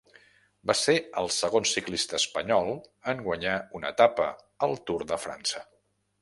Va ser el segon ciclista espanyol en guanyar una etapa al Tour de França.